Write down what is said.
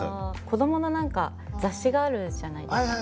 子どもの雑誌があるじゃないですか。